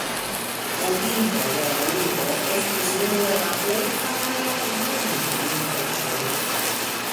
Fondinto de la urbo, estis unu el la plej famaj armenaj reĝoj.